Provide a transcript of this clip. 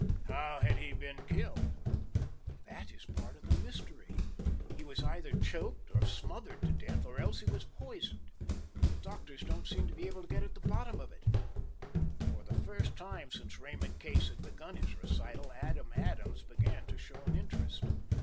"How had he been killed?" "That is a part of the mystery. He was either choked or smothered to death, or else he was poisoned. The doctors don't seem to be able to get at the bottom of it." For the first time since Raymond Case had begun his recital Adam Adams began to show an interest.